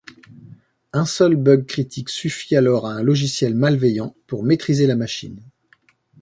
Un seul bug critique suffit alors à un logiciel malveillant pour maîtriser la machine.